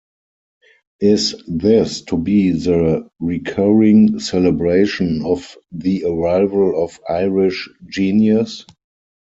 Is this to be the recurring celebration of the arrival of Irish genius?